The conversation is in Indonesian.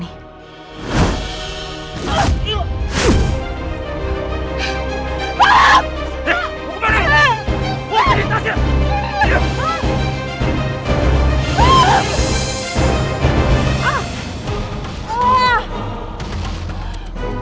nih mau ke mana lu